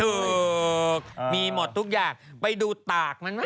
ถูกมีหมดทุกอย่างไปดูตากนั้นไหม